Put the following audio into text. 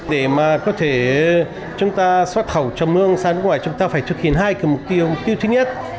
để mà có thể chúng ta xuất khẩu chầm hương sản phẩm chúng ta phải thực hiện hai kiểu tiêu thích nhất